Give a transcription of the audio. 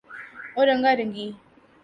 اور رنگا رنگی